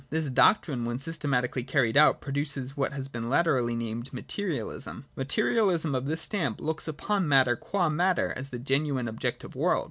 This doctrine when systematically carried out produces what has been latterly termed Materialism. Materialism of this stamp looks upon matter, qua matter, as the genuine objective world.